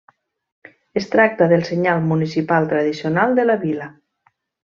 Es tracta del senyal municipal tradicional de la vila.